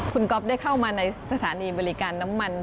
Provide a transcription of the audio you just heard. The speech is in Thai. คุณก๊อฟได้เข้ามาในสถานีบริการน้ำมัน